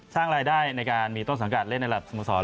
สร้างรายได้ในการมีต้นสังการเล่นในหลักสมุทร